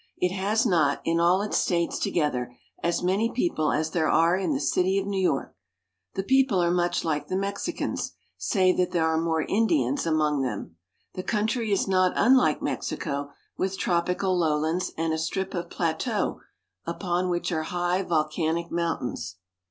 It has not, in all its states together, as many people as there are in the city of New York. The people are much like the Mexicans, save that there are more Indians among them. The country is not unlike Mexico, with tropical lowlands and a strip of plateau, upon which are high volcanic moun tains.